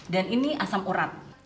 dan ini asam urat